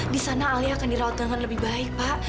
di sana ali akan dirawat dengan lebih baik pak